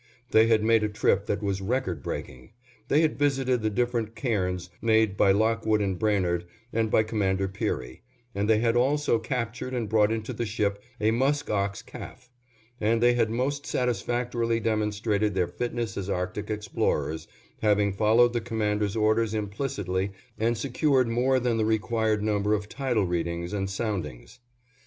They had made a trip that was record breaking; they had visited the different cairns made by Lockwood and Brainard and by Commander Peary, and they had also captured and brought into the ship a musk ox calf; and they had most satisfactorily demonstrated their fitness as Arctic explorers, having followed the Commander's orders implicitly and secured more than the required number of tidal readings and soundings.